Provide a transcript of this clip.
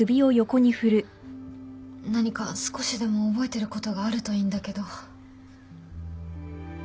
何か少しでも覚えてることがあるといいんだけど。